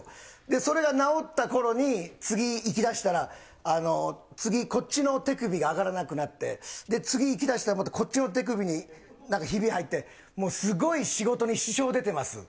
それが治ったころに、次行きだしたら、あの、次、こっちの手首が上がらなくなって、で、次行きだしたらこっちの手首になんかひび入って、もうすごい仕事に支障出てます。